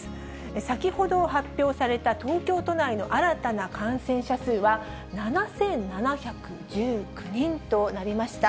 先ほど発表された東京都内の新たな感染者数は、７７１９人となりました。